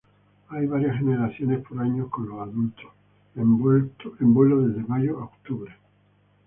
Hay varias generaciones por año con los adultos en vuelo desde mayo a octubre.